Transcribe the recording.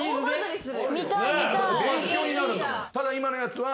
ただ今のやつは。